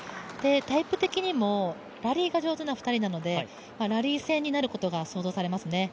タイプ的にもラリーが上手な２人なので、ラリー戦になることが想像されますね。